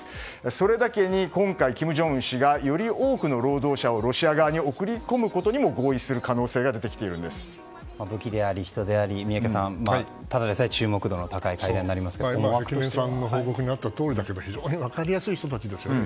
それだけに今回、金正恩氏がより多くの労働者をロシア側に送り込むことにも合意する可能性が武器であり人であり宮家さん、ただでさえ注目度の高い会談になりますが非常に分かりやすい人たちですよね。